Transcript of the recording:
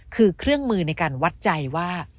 คือเครื่องมือในการวัดใจว่า